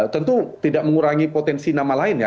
tentu tidak mengurangi potensi nama lain ya